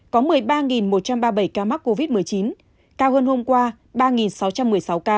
có một mươi ba một trăm ba mươi bảy ca mắc covid một mươi chín cao hơn hôm qua ba sáu trăm một mươi sáu ca